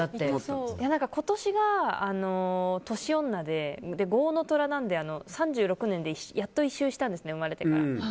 今年が年女でごうの虎なので３６年でやっと１周したんです生まれてから。